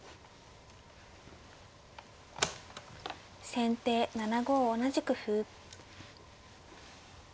先手７五同じく歩。